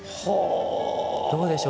どうでしょう？